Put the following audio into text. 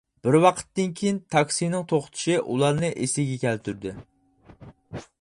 بىر ۋاقىتتىن كېيىن تاكسىنىڭ توختىشى ئۇلارنى ئېسىگە كەلتۈردى.